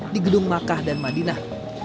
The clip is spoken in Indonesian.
di gedung makkah dan madinah